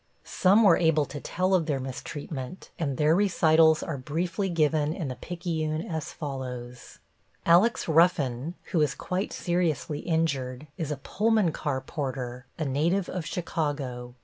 Some were able to tell of their mistreatment, and their recitals are briefly given in the Picayune as follows: Alex. Ruffin, who is quite seriously injured, is a Pullman car porter, a native of Chicago.